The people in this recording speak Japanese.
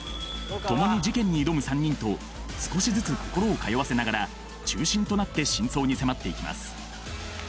共に事件に挑む３人と少しずつ心を通わせながら中心となって真相に迫っていきます